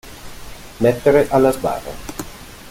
Mettere alla sbarra.